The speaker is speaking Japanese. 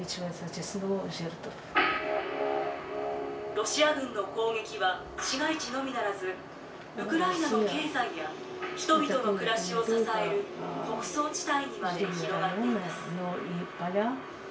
「ロシア軍の攻撃は市街地のみならずウクライナの経済や人々の暮らしを支える牧草地帯にまで広がっています」。